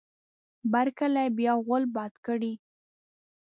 بر کلي بیا غول باد کړی.